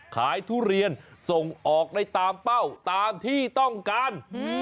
ทุเรียนส่งออกได้ตามเป้าตามที่ต้องการ